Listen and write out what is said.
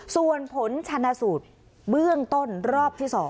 ส่วนผลชนะสูตรเบื้องต้นรอบที่๒